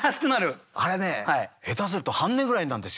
あれね下手すると半値ぐらいになるんですよ。